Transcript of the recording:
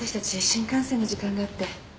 新幹線の時間があって。